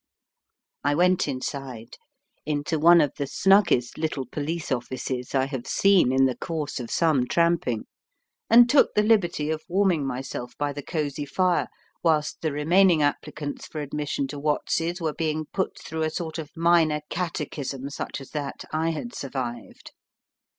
I went inside, into one of the snuggest little police offices I have seen in the course of some tramping, and took the liberty of warming myself by the cosy fire, whilst the remaining applicants for admission to Watts's were being put through a sort of minor catechism such as that I had survived.